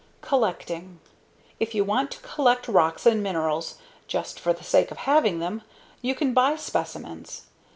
COLLECTING If you want to collect rocks and minerals just for the sake of having them, you can buy specimens.